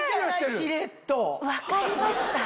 分かりました？